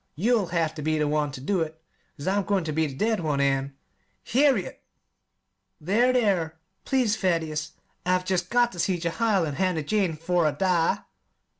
You'll have ter be the one ter do it, 'cause I'm goin' ter be the dead one, an' " "Harriet!" "There, there, please, Thaddeus! I've jest got ter see Jehiel and Hannah Jane 'fore I die!"